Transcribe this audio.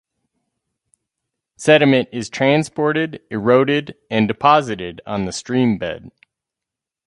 Sediment is transported, eroded and deposited on the stream bed.